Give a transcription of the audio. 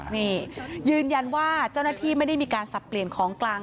นี่ยืนยันว่าเจ้าหน้าที่ไม่ได้มีการสับเปลี่ยนของกลาง